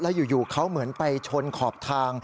อยู่เขาเหมือนไปชนขอบทาง